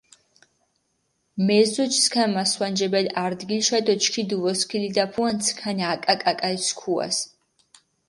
მეზოჯი სქანი მასვანჯებელი არდგილიშა დო ჩქი დჷვოსქილიდაფუანთ სქანი აკა კაკალი სქუას.